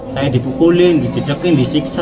saya dipukulin dijejekin disiksa